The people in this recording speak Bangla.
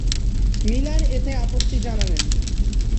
মিলার এতে আপত্তি জানালেন।